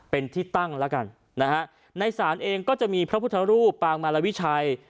เป็นที่ตั้งแล้วกันนะฮะในศาลเองก็จะมีพระพุทธรูปปางมารวิชัย